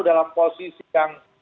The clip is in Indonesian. dalam posisi yang